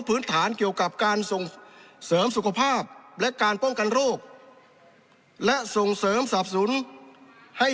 พื้นฐานเกี่ยวกับการส่งเสริมสุขภาพและการป้องกันโรคและส่งเสริมสับสนให้